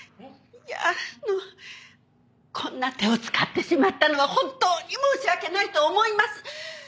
いやあのこんな手を使ってしまったのは本当に申し訳ないと思います。